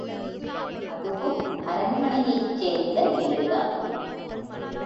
அதுவும் அரண்மனையைச் சேர்ந்த வீடுதான்.